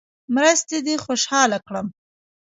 مرستې دې خوشاله کړم.